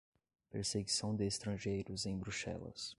Perseguição de Estrangeiros em Bruxelas